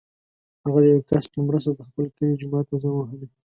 هغه د یو کس په مرسته د خپل کلي جومات ته زنګ وهلی.